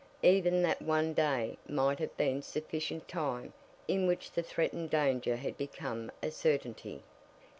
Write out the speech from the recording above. Even that one day might have been sufficient time in which the threatened danger had become a certainty.